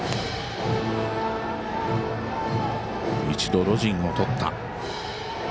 一度ロジンを取った。